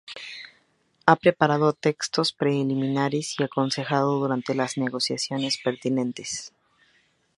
Ha preparado textos preliminares y aconsejado durante las negociaciones pertinentes.